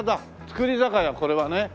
造り酒屋これはね。